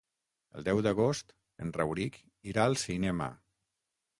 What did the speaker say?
El deu d'agost en Rauric irà al cinema.